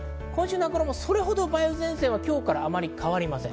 それほど梅雨前線は今日からあまり変わりません。